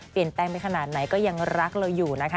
เปลี่ยนแต้งไปขนาดไหนก็ยังรักเราอยู่นะคะ